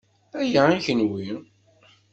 Aya i kenwi.